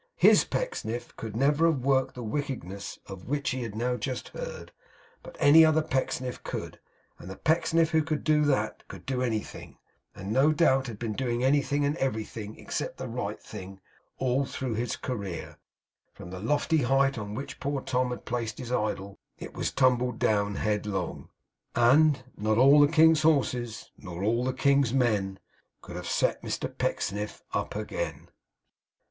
HIS Pecksniff could never have worked the wickedness of which he had just now heard, but any other Pecksniff could; and the Pecksniff who could do that could do anything, and no doubt had been doing anything and everything except the right thing, all through his career. From the lofty height on which poor Tom had placed his idol it was tumbled down headlong, and Not all the king's horses, nor all the king's men, Could have set Mr Pecksniff up again.